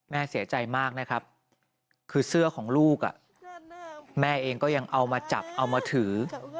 แม่เสียใจมากนะครับคือเสื้อของลูกแม่เองก็ยังเอามาจับเอามาถือ